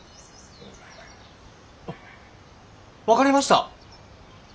あっ分かりました。